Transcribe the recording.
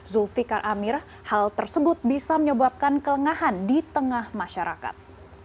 zulfikar amir hal tersebut bisa menyebabkan kelengahan di tengah masyarakat